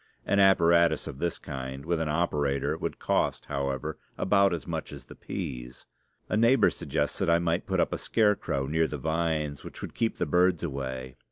An apparatus of this kind, with an operator, would cost, however, about as much as the peas. A neighbor suggests that I might put up a scarecrow near the vines, which would keep the birds away.